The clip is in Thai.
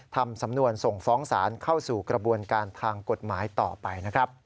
ทำสำนวนส่งฟ้องศาลเข้าสู่กระบวนการทางกฎหมายต่อไปนะครับ